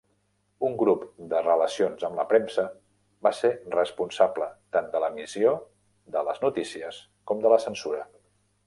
Un grup de "Relacions amb la premsa" va ser responsable tant de l'emissió de les notícies com de la censura.